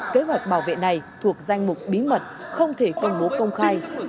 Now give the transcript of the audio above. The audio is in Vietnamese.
kế hoạch bảo vệ này thuộc danh mục bí mật không thể công bố công khai